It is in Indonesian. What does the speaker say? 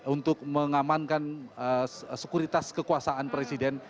untuk mengamankan sekuritas kekuasaan presiden